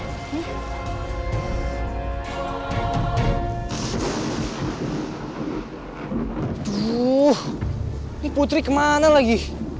ini putri kemana lagi